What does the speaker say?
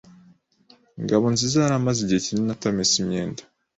Ngabonziza yari amaze igihe kinini atamesa imyenda,